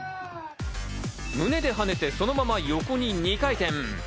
胸で跳ねて、そのまま横に２回転。